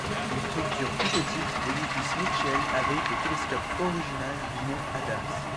Une structure plus petite, l'édifice Mitchel, abrite le télescope original du Mont Adams.